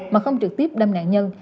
mà không trực tiếp đâm nạn nhân